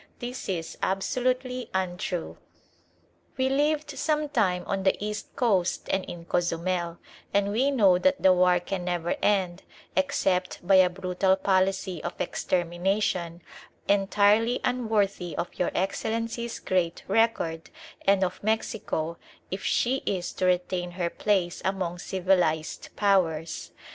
This is absolutely untrue. We lived some time on the east coast and in Cozumel, and we know that the war can never end except by a brutal policy of extermination entirely unworthy of Your Excellency's great record and of Mexico if she is to retain her place among civilised Powers.